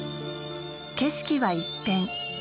景色は一変。